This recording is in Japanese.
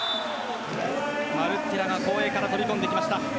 マルッティラが後衛から飛び込んできました。